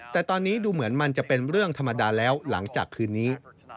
แต่ตอนนี้ดูเหมือนมันจะเป็นเรื่องธรรมดาแล้วหลังจากคืนนี้